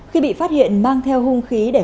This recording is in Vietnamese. khi bị phát hiện mang theo hung khí